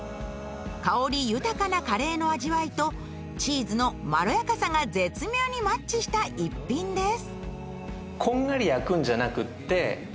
香り豊かなカレーの味わいとチーズのまろやかさが絶妙にマッチした逸品です。